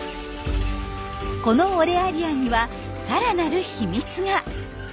このオレアリアには更なる秘密が。